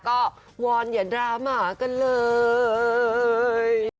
ก็วอนอย่าดราหมากันเลย